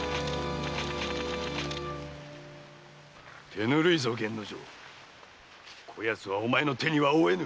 手ぬるいぞ源之丞こ奴はお前の手には負えぬ！